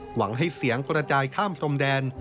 หวังให้เสียงกระจายข้ามพรมแดน